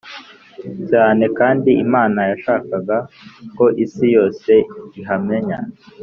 cyane. kandi imana yashakaga ko isi yose ihamenya